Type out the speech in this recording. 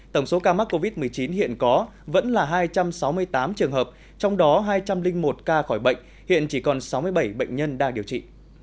tổng số ca mắc covid một mươi chín hiện có vẫn là hai trăm sáu mươi tám trường hợp trong đó hai trăm linh một ca khỏi bệnh hiện chỉ còn sáu mươi bảy bệnh nhân đang điều trị